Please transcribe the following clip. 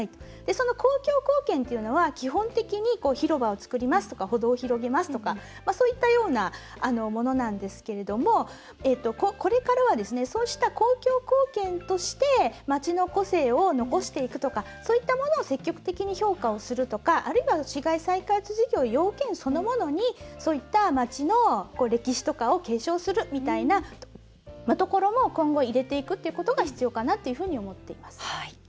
その公共貢献というのは基本的に広場を作りますとか歩道を広げますとかそういったようなものなんですがこれからはそうした公共貢献として街の個性を残していくとかそういったものを積極的に評価をするとかあるいは、市街再開発事業の要件そのものにそういった町の歴史とかを継承するみたいなところも今後、入れていくということが必要かなと思っています。